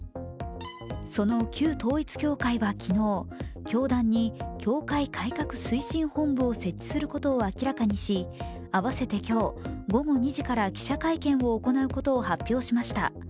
その旧統一教会は昨日教団に教会改革推進本部を設置することを明らかにしあわせて今日午後２時から記者会見を行うことを発表しました。